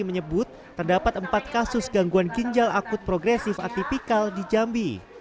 menyebut terdapat empat kasus gangguan ginjal akut progresif atipikal di jambi